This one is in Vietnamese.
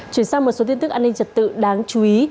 chuyển sang một số tin tức an ninh trật tự đáng chú ý